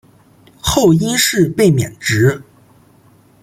后因事被免职。